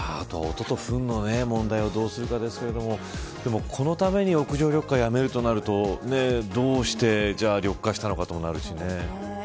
音とふんの問題をどうするかですけどこのために屋上緑化をやめるとなるとどうして緑化したのかとなるし。